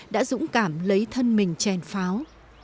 đã dũng cảm lấy thân mình trên pháo